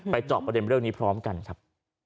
เจาะประเด็นเรื่องนี้พร้อมกันครับ